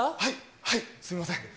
はい、すみません。